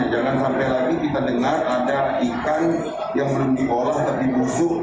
jangan sampai lagi kita dengar ada ikan yang belum diolah tapi busuk